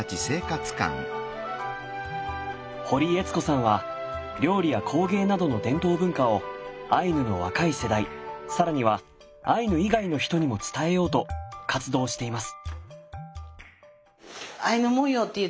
堀悦子さんは料理や工芸などの伝統文化をアイヌの若い世代更にはアイヌ以外の人にも伝えようと活動しています。